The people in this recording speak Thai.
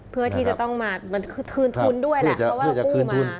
เพื่อที่จะต้องมาคืนทุนด้วยแหละเพราะว่าเรากู้มา